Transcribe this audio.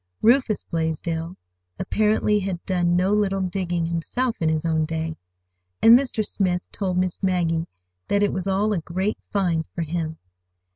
Rufus Blaisdell apparently had done no little "digging" himself in his own day, and Mr. Smith told Miss Maggie that it was all a great "find" for him.